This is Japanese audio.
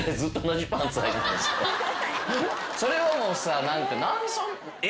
それはもうさえ？